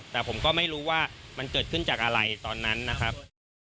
แต่ผมก็ไม่รู้ว่ามันเกิดขึ้นจากอะไรตอนนั้นนะครับ